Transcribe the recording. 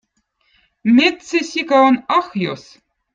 mettsesika on ahjõz